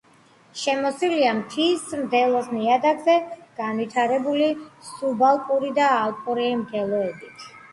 შემოსილია მთის მდელოს ნიადაგებზე განვითარებული სუბალპური და ალპური მდელოებით.